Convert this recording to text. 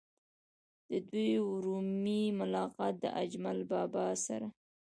د دوي وړومبے ملاقات د اجمل بابا سره